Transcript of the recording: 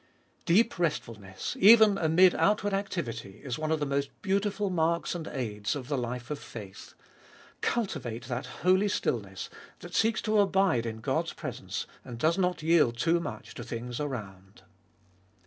7. Deep restfulness, even amid outward activity, is one of the most beautiful marhs and aids of the life of faith. Cultivate that holy stillness that seeks to abide in God's presence, and does not yield too much to things around.